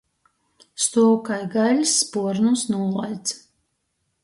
Stuov kai gaiļs, spuornus nūlaids.